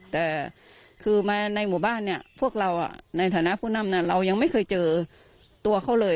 แต่คือมาในหมู่บ้านเนี่ยพวกเราในฐานะผู้นำเรายังไม่เคยเจอตัวเขาเลย